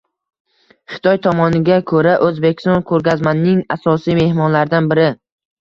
Xitoy tomoniga ko'ra, O'zbekiston ko'rgazmaning asosiy mehmonlaridan biri